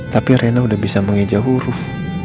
tapi rena udah bisa mengeja huruf